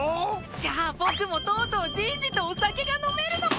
じゃあ僕もとうとうじいじとお酒が飲めるのか！